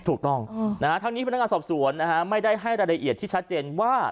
ถูกต้องทั้งนี้พนักงานสอบสวนไม่ได้ให้รายละเอียดที่ชัดเจนว่า